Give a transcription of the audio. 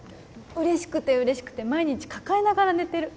嬉しくて嬉しくて毎日抱えながら寝てる